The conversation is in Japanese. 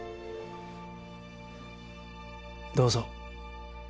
どうぞ。